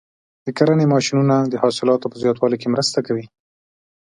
د کرنې ماشینونه د حاصلاتو په زیاتوالي کې مرسته کوي.